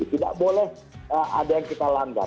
tidak boleh ada yang kita langgar